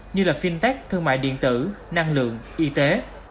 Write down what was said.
như là fintech thương mại điện tử năng lượng y tế